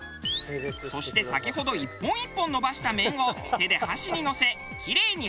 そして先ほど１本１本伸ばした麺を手で箸にのせキレイに配置。